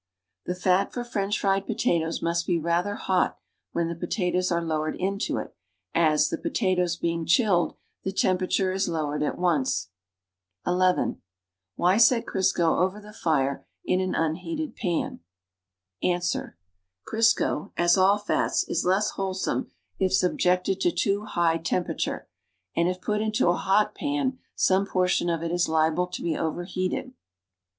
The fat for French fried potatoes nuist be rather hot when the potatoes are lowered into it as, the potatoes being chilled, the temperature is lowered at once. (11) Why set Crisco over the fire in an unhealed pan? Ans. Crisco — as all fats — is less wholesome if subjected to too high temperature, and if put into a hot pan some portion of it is liable to be overheated.